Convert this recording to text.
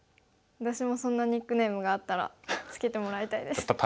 私もそんなニックネームがあったらつけてもらいたいです。